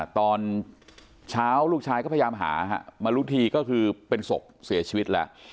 ตอนเช้าลูกชายก็พยายามหามารู้ทีก็คือเป็นศพเสียชีวิตแล้ว